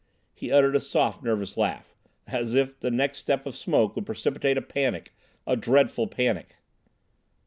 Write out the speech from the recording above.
He uttered a soft nervous laugh. "As if the next sign of smoke would precipitate a panic—a dreadful panic."